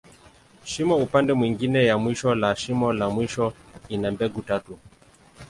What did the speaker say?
Shimo upande mwingine ya mwisho la shimo la mwisho, ina mbegu tatu.